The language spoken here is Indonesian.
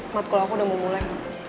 mat kalau aku udah mau mulai